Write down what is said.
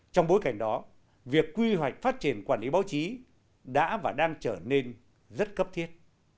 trong bối cảnh đó việc quy hoạch phát triển quản lý báo chí đã và đang trở nên rất cấp thiết